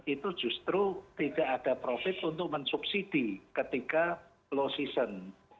itu justru tidak ada profit untuk mensubsidi ketika low season